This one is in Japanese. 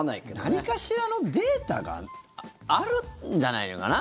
何かしらのデータがあるんじゃないのかな。